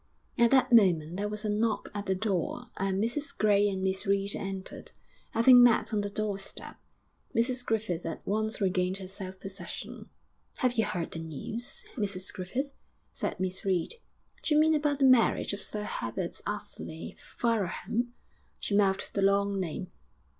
At that moment there was a knock at the door, and Mrs Gray and Miss Reed entered, having met on the doorstep. Mrs Griffith at once regained her self possession. 'Have you heard the news, Mrs Griffith?' said Miss Reed. 'D'you mean about the marriage of Sir Herbert Ously Farrowham?' She mouthed the long name.